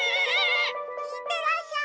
いってらっしゃい！